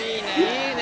いいね